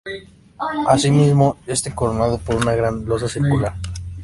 Así mismo está coronado por una gran losa circular.